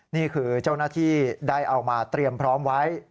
นี่คือเจ้าหน้าที่ได้เอามาเตรียมพร้อมไว้